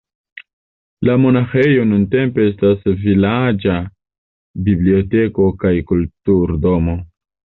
La monaĥejo nuntempe estas vilaĝa biblioteko kaj kulturdomo.